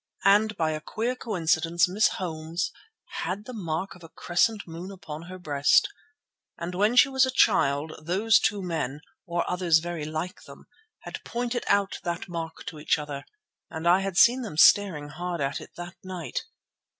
And by a queer coincidence Miss Holmes had the mark of a crescent moon upon her breast. And when she was a child those two men, or others very like them, had pointed out that mark to each other. And I had seen them staring hard at it that night.